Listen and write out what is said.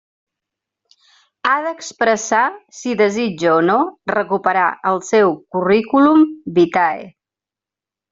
Ha d'expressar si desitja o no recuperar el seu curriculum vitae.